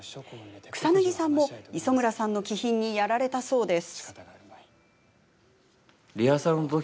草なぎさんも磯村さんの気品にやられたそうです。